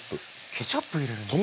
ケチャップ入れるんですね。